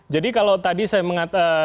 kalau tadi saya mengatakan